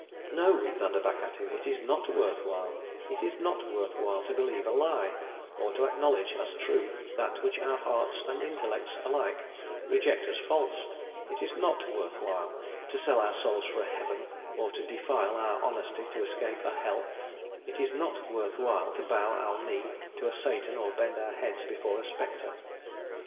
No! we thunder back at him, it is not worth while; it is not worth while to believe a lie, or to acknowledge as true that which our hearts and intellects alike reject as false; it is not worth while to sell our souls for a heaven, or to defile our honesty to escape a hell; it is not worth while to bow our knee to a Satan or bend our heads before a spectre.